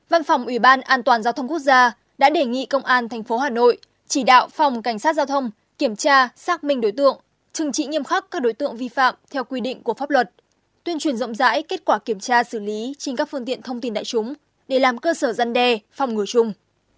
văn phòng ủy ban an toàn giao thông quốc gia đã đề nghị công an tp hà nội chỉ đạo phòng cảnh sát giao thông kiểm tra xác minh đối tượng trừng trị nghiêm khắc các đối tượng vi phạm theo quy định của pháp luật tuyên truyền rộng rãi kết quả kiểm tra xử lý trên các phương tiện thông tin đại chúng để làm cơ sở giăn đe phòng ngừa chung